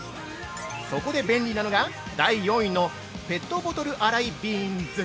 そこで便利なのが第４位のペットボトル洗いビーンズ。